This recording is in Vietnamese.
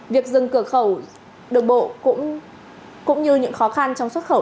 việc dừng cửa khẩu đường bộ cũng như những khó khăn trong xuất khẩu